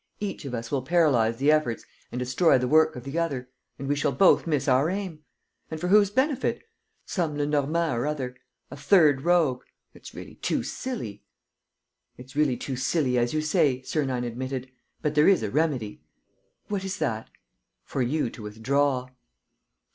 Each of us will paralyze the efforts and destroy the work of the other; and we shall both miss our aim! And for whose benefit? Some Lenormand or other, a third rogue! ... It's really too silly." "It's really too silly, as you say," Sernine admitted. "But there is a remedy." "What is that?" "For you to withdraw."